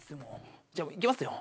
じゃあいきますよ。